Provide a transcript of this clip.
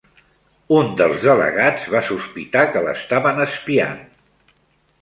Un dels delegats va sospitar que l'estaven espiant